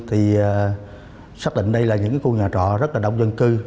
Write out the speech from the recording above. thì xác định đây là những khu nhà trọ rất là đông dân cư